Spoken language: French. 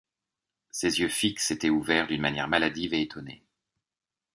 Ses yeux fixes étaient ouverts d’une manière maladive et étonnée.